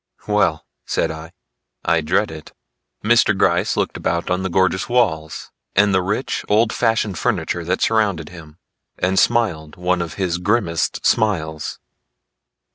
"Well," said I, "I dread it." Mr. Gryce looked about on the gorgeous walls and the rich old fashioned furniture that surrounded him, and smiled one of his grimmest smiles.